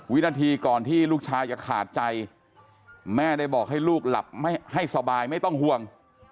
วินาทีก่อนที่ลูกชายจะขาดใจแม่ได้บอกให้ลูกหลับให้สบายไม่ต้องห่วง